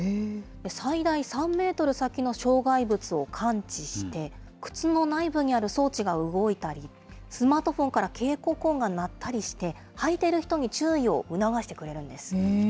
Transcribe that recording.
最大３メートル先の障害物を感知して、靴の内部にある装置が動いたり、スマートフォンから警告音が鳴ったりして、履いている人に注意を促してくれるんです。